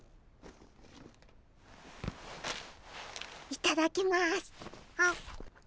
いただきます。